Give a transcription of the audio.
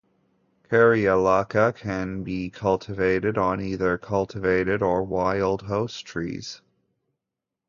"Kerria lacca" can be cultivated on either cultivated or wild host trees.